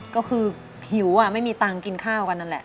ก็คือหิวไม่มีตังค์กินข้าวกันนั่นแหละ